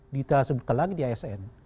kita sebutkan lagi di asn